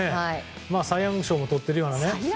サイ・ヤング賞もとっているような。